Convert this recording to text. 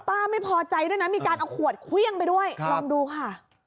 ป้าไม่พอใจด้วยนะมีการเอาขวดเครื่องไปด้วยลองดูค่ะ